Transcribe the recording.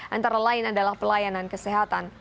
antara lain adalah pelayanan kesehatan